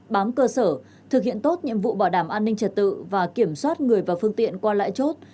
bám cơ sở thực hiện tốt nhiệm vụ bảo đảm an ninh trật tự và kiểm soát người và phương tiện qua lại chốt